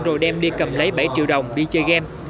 rồi đem đi cầm lấy bảy triệu đồng đi chơi game